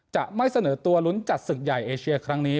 จะไม่เสนอตัวลุ้นจัดศึกใหญ่เอเชียครั้งนี้